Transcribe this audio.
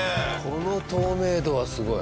この透明度はすごい。